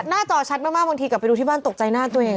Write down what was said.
จอชัดมากบางทีกลับไปดูที่บ้านตกใจหน้าตัวเอง